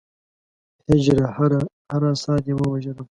هجره! هره هره ساه دې ووژلم